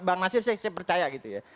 bang nasir saya percaya gitu ya